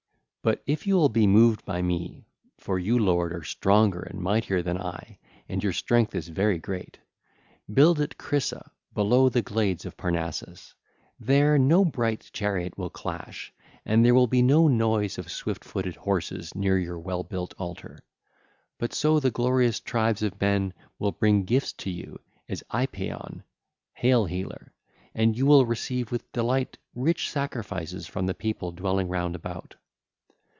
But if you will be moved by me—for you, lord, are stronger and mightier than I, and your strength is very great—build at Crisa below the glades of Parnassus: there no bright chariot will clash, and there will be no noise of swift footed horses near your well built altar. But so the glorious tribes of men will bring gifts to you as Iepaeon ('Hail Healer'), and you will receive with delight rich sacrifices from the people dwelling round about.